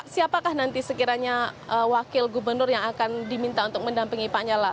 siapakah nanti sekiranya wakil gubernur yang akan diminta untuk mendampingi pak nyala